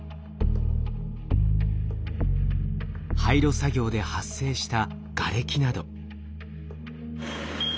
廃炉作業で発生したがれきなど。